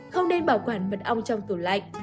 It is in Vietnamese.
không nên bảo quản mật ong trong tủ lạnh